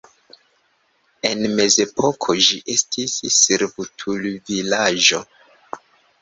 En mezepoko ĝi estis servutulvilaĝo.